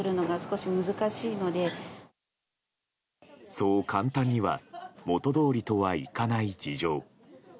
そう簡単には元通りとはいかない事情。